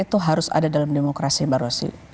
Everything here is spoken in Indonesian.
itu harus ada dalam demokrasi baru